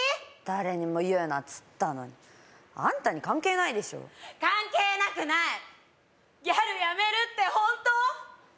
誰にも言うなっつったのにあんたに関係ないでしょ関係なくないギャルやめるってホント？